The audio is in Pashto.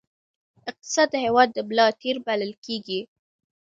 اقتصاد د هېواد د ملا تیر بلل کېږي.